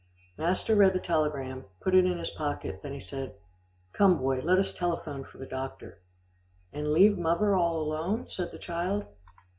Master read the telegram, put it in his pocket, then he said, "Come, boy, let us telephone for the doctor." "And leave muvver all alone?" said the child.